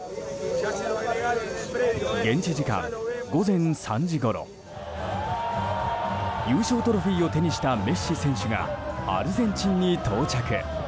現地時間午前３時ごろ優勝トロフィーを手にしたメッシ選手がアルゼンチンに到着。